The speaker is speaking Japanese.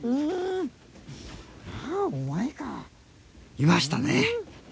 いましたね。